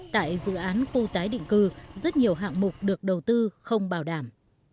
tại dự án khu tái định cư rất nhiều hạng mục được đầu tư không bảo đảm